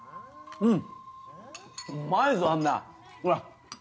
うん。